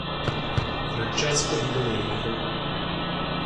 Francesco Di Domenico